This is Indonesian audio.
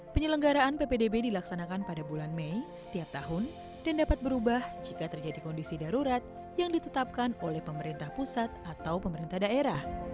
penyelenggaraan ppdb dilaksanakan pada bulan mei setiap tahun dan dapat berubah jika terjadi kondisi darurat yang ditetapkan oleh pemerintah pusat atau pemerintah daerah